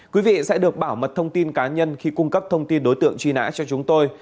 quý vị sẽ được bảo mật thông tin cá nhân khi cung cấp thông tin đối tượng truy nã cho chúng tôi